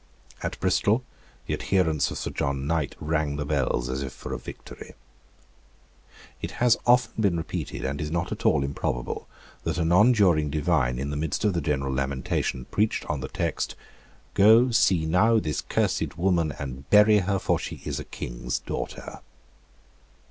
At Bristol the adherents of Sir John Knight rang the bells as if for a victory. It has often been repeated, and is not at all improbable, that a nonjuring divine, in the midst of the general lamentation, preached on the text, "Go; see now this cursed woman and bury her; for she is a King's daughter."